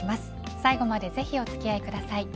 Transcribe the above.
最後までぜひお付き合いください。